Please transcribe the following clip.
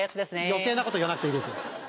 余計なこと言わなくていいです。